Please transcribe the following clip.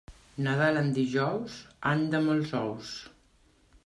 Nadal en dijous, any de molts ous.